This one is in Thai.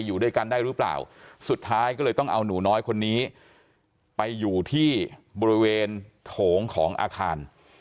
อยู่ด้วยกันได้หรือเปล่าสุดท้ายก็เลยต้องเอาหนูน้อยคนนี้ไปอยู่ที่บริเวณโถงของอาคาร